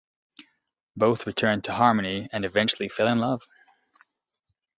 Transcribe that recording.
Both returned to Harmony and eventually fell in love.